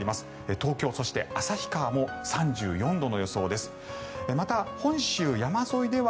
東京、そして旭川も３４度の予想です。